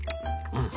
うん？